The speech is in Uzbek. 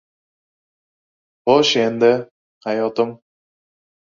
Xo‘sh endi, hayotim?!.